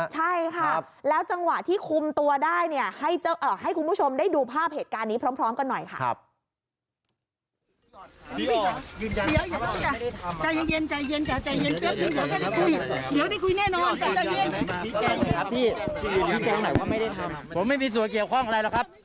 ใช่ค่ะแล้วจังหวะที่คุมตัวได้เนี่ยให้คุณผู้ชมได้ดูภาพเหตุการณ์นี้พร้อมกันหน่อยค่ะ